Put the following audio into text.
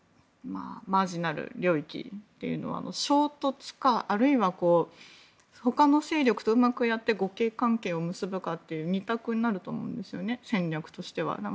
マージナル領域というのは衝突かあるいは他の勢力とうまくやって互恵関係を結ぶかという２択になると思うんですよね。